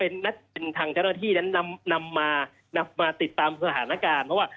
ไม่ได้มีร่มไม่ได้มีอะไรนะครับ